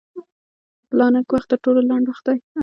د پلانک وخت تر ټولو لنډ وخت دی.